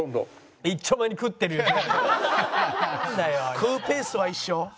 食うペースは一緒。